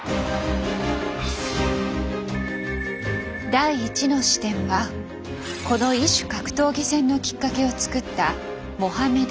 第１の視点はこの異種格闘技戦のきっかけを作ったモハメド・アリ。